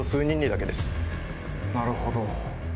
なるほど。